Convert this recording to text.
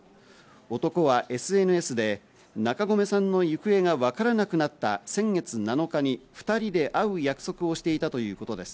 男はＳＮＳで中込さんの行方が分からなくなった先月７日に、２人で会う約束をしていたということです。